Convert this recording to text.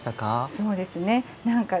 そうですね。